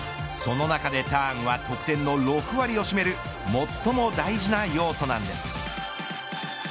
その中でターンは得点の６割を占める最も大事な要素なんです。